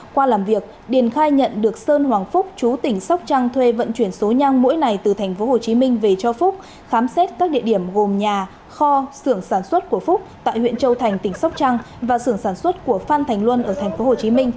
qua làm việc điền khai nhận được sơn hoàng phúc chú tỉnh sóc trăng thuê vận chuyển số nhang mỗi ngày từ tp hcm về cho phúc khám xét các địa điểm gồm nhà kho xưởng sản xuất của phúc tại huyện châu thành tỉnh sóc trăng và sưởng sản xuất của phan thành luân ở tp hcm